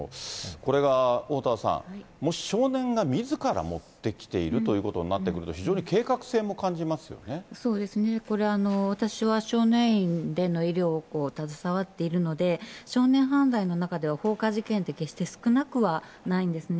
これが、おおたわさん、もし少年がみずから持ってきているということになってくると、非常に計画そうですね、これ、私は少年院での医療を携わっているので、少年犯罪の中では放火事件って決して少なくはないんですね。